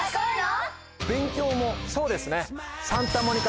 そうですね。